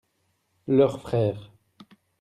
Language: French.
leur frère.